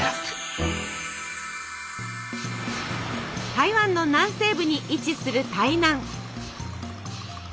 台湾の南西部に位置する台南。